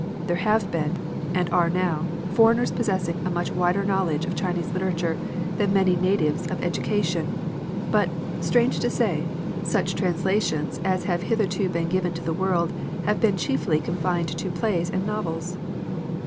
There have been, and are now, foreigners possessing a much wider knowledge of Chinese litera ture than many natives of education, but, strange to say, such translations as have hitherto been given to the world have been chiefly confined to plays and novels